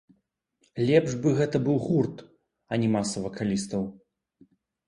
Лепш бы гэта быў гурт, а не маса вакалістаў.